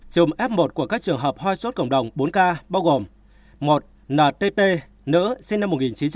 chùm f một của các trường hợp hoi sốt cộng đồng bốn ca bao gồm một ntt nữ sinh năm một nghìn chín trăm năm mươi